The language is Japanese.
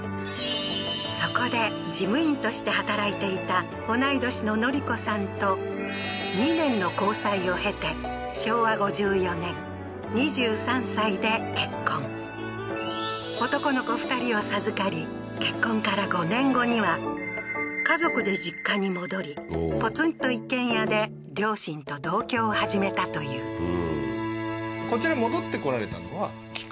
そこで事務員として働いていた同い年の典子さんと２年の交際を経て昭和５４年２３歳で結婚男の子２人を授かり結婚から５年後には家族で実家に戻りポツンと一軒家で両親と同居を始めたというははは